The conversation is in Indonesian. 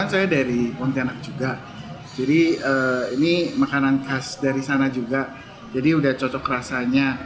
saya dari pontianak juga jadi ini makanan khas dari sana juga jadi udah cocok rasanya